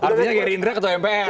artinya gerindra ketua mpr